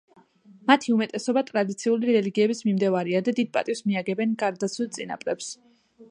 მათი უმეტესობა ტრადიციული რელიგიების მიმდევარია და დიდ პატივს მიაგებენ გარდაცვლილ წინაპრებს.